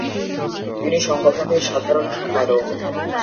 তিনি সংগঠনটির সাধারণ সম্পাদক।